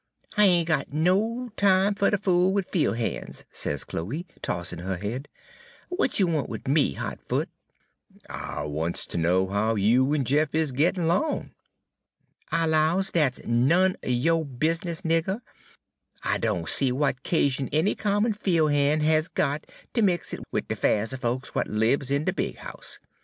"'I ain' got no time fer ter fool wid fiel' han's,' sez Chloe, tossin' her head; 'w'at you want wid me, Hot Foot?' "'I wants ter know how you en Jeff is gittin' 'long.' "'I 'lows dat's none er yo' bizness, nigger. I doan see w'at 'casion any common fiel' han' has got ter mix in wid de 'fairs er folks w'at libs in de big house.